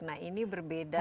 nah ini berbeda